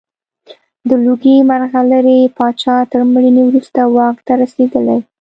د لوګي مرغلرې پاچا تر مړینې وروسته واک ته رسېدلی.